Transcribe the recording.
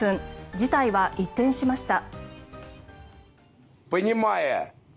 事態は一転しました。